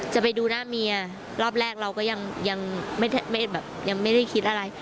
จะไปดูหน้าเมียรอบแรกเราก็ยังไม่ได้คิดมานะ